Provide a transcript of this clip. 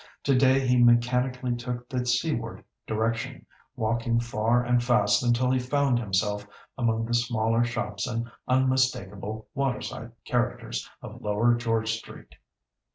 To day he mechanically took the seaward direction, walking far and fast until he found himself among the smaller shops and unmistakable "waterside characters" of Lower George Street.